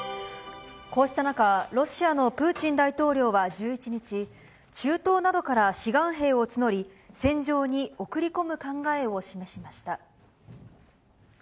こうした中、ロシアのプーチン大統領は１１日、中東などから志願兵を募り、戦場に送り込む考えを示しました。